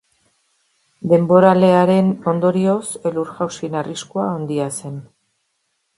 Denboralearen ondorioz elur-jausien arriskua handia zen.